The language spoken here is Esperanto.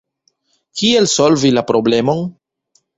Kiel solvi la problemon?